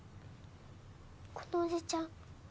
このおじちゃん！